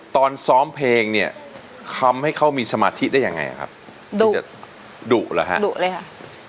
ตอนซ้อมเพลงเนี่ยทำให้เขามีสมาธิได้ยังไงครับดุจะดุเหรอฮะดุเลยค่ะ